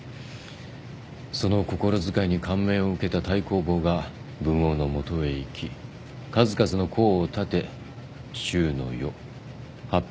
その心遣いに感銘を受けた太公望が文王のもとへ行き数々の功を立て周の世８００年の礎を築いたのです。